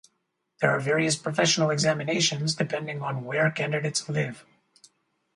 There are various professional examinations, depending on where candidates live.